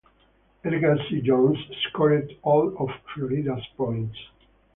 Edgar C. Jones scored all of Florida's points.